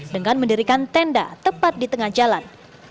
dengan mendirikan tenda tepat di tengah jalan